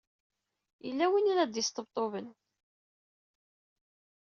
Yella win ay la d-yesṭebṭuben.